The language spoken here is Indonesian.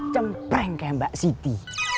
cempreng kayak mbak siti